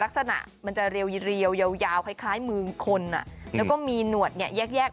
ลักษณะมันจะเรียวยาวคล้ายมือคนแล้วก็มีหนวดเนี่ยแยก